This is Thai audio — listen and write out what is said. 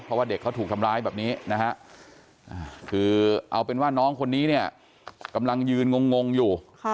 เพราะว่าเด็กเขาถูกทำร้ายแบบนี้นะฮะคือเอาเป็นว่าน้องคนนี้เนี่ยกำลังยืนงงอยู่